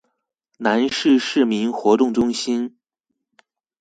南勢市民活動中心